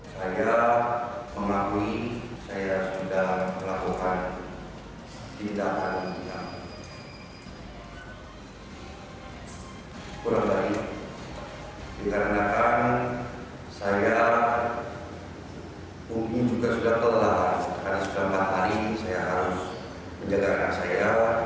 mungkin juga sudah telah karena sudah empat hari saya harus menjaga anak saya